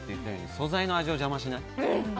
素材の味を邪魔しない。